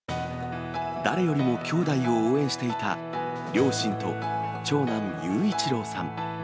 誰よりも兄妹を応援していた、両親と長男、勇一朗さん。